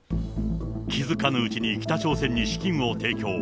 気付かぬうちに北朝鮮に資金を提供。